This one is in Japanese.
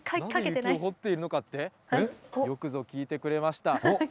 なぜ雪を掘っているのかって、よくぞ聞いてくれました。